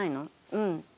「うん」